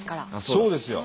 そうですよ。